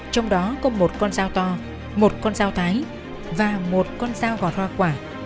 trong đó có một con dao to một con dao thái và một con dao gọt hoa quả